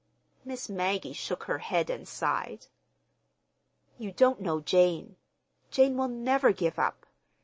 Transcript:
Miss Maggie shook her head and sighed. "You don't know Jane. Jane will never give up.